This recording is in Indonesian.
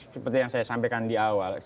seperti yang saya sampaikan di awal